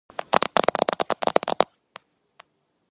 უჭირავს სალადინის დაკრძალვის ადგილი და სამარე.